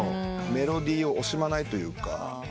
メロディーを惜しまないというか。